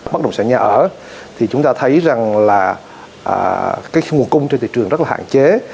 bất động sản nhà ở thì chúng ta thấy rằng là cái nguồn cung trên thị trường rất là hạn chế